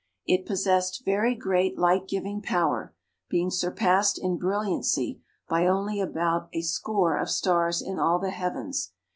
It possessed very great light giving power, being surpassed in brilliancy by only about a score of stars in all the heavens.